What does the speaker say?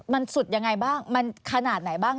มันสุดยังไงบ้างมันขนาดไหนบ้าง